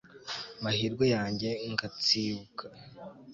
mahirwe yanjye ngatsibuka